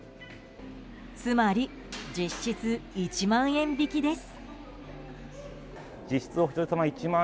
つまり、実質１万円引きです。